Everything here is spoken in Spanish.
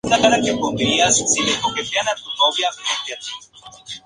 Pienso que podemos pasar muchas lecciones para las tripulaciones futuras.